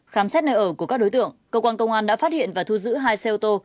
khám xét nơi ở của các đối tượng cơ quan công an đã phát hiện và thu giữ hai xe ô tô